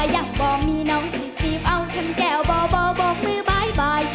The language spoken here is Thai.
อยากบอกมีน้องสนิทจีบเอาฉันแก้วบ่อบอกมือบ๊ายบาย